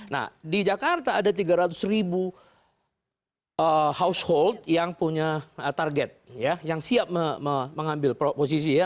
nah di jakarta ada tiga ratus ribu household yang punya target yang siap mengambil posisi ya